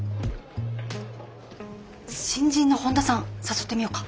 新人の本田さん誘ってみようか？